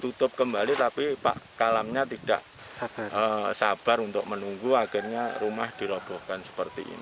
tutup kembali tapi pak kalamnya tidak sabar untuk menunggu akhirnya rumah dirobohkan seperti ini